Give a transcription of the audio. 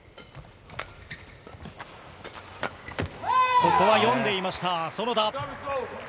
ここは読んでいました、園田。